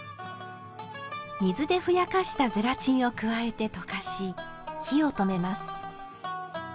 水でふやかしたゼラチンを加えて溶かし火を止めます。